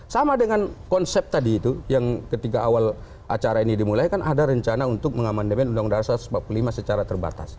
sama dengan konsep tadi itu yang ketika awal acara ini dimulai kan ada rencana untuk mengamandemen undang undang satu ratus empat puluh lima secara terbatas